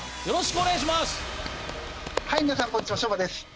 よろしくお願いします。